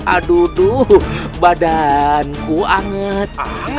adik udah kuat